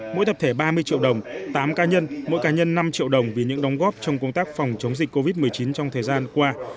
mỗi tập thể ba mươi triệu đồng tám ca nhân mỗi cá nhân năm triệu đồng vì những đóng góp trong công tác phòng chống dịch covid một mươi chín trong thời gian qua